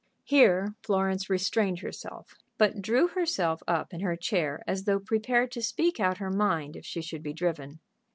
Here Florence restrained herself, but drew herself up in her chair as though prepared to speak out her mind if she should be driven.